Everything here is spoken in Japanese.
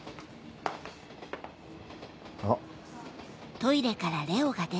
あっ。